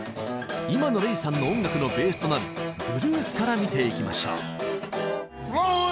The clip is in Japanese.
今のＲｅｉさんの音楽のベースとなるブルースから見ていきましょう。